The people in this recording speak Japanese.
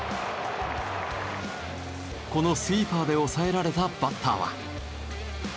このスイーパーで抑えられたバッターは。